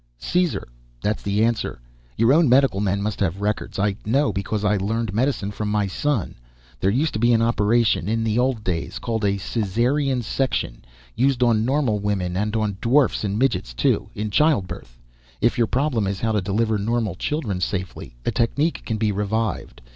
"Caesar. That's the answer. Your own medical men must have records. I know, because I learned medicine from my son. There used to be an operation, in the old days, called a caesarean section used on normal women and on dwarfs and midgets too, in childbirth. If your problem is how to deliver normal children safely, the technique can be revived.